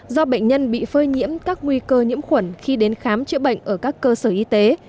do bệnh nhân bị phơi nhiễm các nguy cơ nhiễm khuẩn khi đến khám chữa bệnh ở các cơ sở y tế